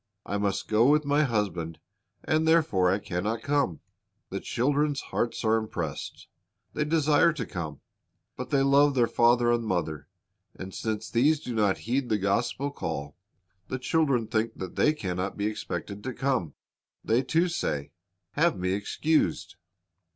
I must go with my husband, and therefore I can not come." The children's hearts are impressed. They desire to come. But they love their father and mother, and since these do not heed the gospel call, the children think that they can not ' Acts 24 : *5 "G"^ into the Highzvays^' 225 be expected to come. They too say, "Have me excused."